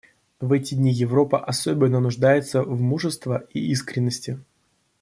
В эти дни Европа особенно нуждается в мужество и искренности.